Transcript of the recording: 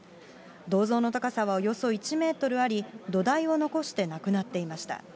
銅像の高さはおよそ１メートルあり、土台を残してなくなっていました。